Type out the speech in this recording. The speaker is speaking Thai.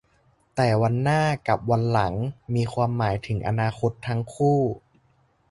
แต่ "วันหน้า" กับ "วันหลัง" มีความหมายถึงอนาคตทั้งคู่